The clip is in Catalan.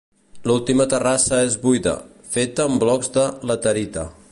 L'última terrassa és buida, feta amb blocs de laterita.